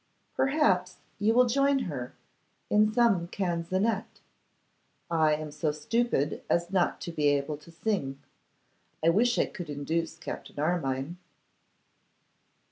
'Perhaps you will join her in some canzonette; I am so stupid as not to be able to sing. I wish I could induce Captain Armine.